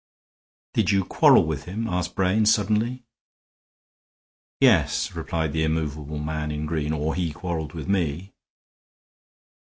"Did you quarrel with him?" asked Brain, suddenly. "Yes," replied the immovable man in green. "Or he quarreled with me."